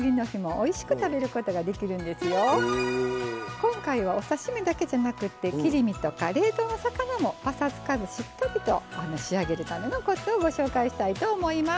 今回はお刺身だけじゃなくて切り身とか冷凍の魚もパサつかずしっとりと仕上げるためのコツをご紹介したいと思います。